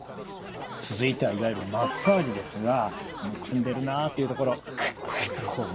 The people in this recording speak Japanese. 続いてはいわゆるマッサージですがむくんでるなというところをくっくっとこうもんでいく